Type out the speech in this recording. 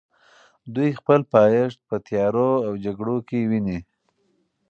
دوی خپل پایښت په تیارو او جګړو کې ویني.